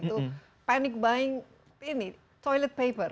kalau misalnya terjadi yang panic buying ini toilet paper